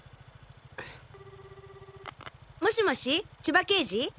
もしもし千葉刑事？